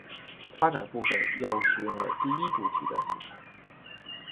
发展部主要使用了第一主题的素材。